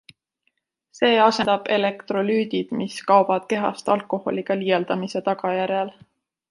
See asendab elektrolüüdid, mis kaovad kehast alkoholiga liialdamise tagajärjel.